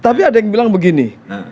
tapi ada yang bilang begini